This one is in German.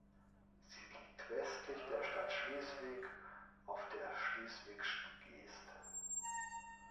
Sie liegt westlich der Stadt Schleswig auf der Schleswigschen Geest.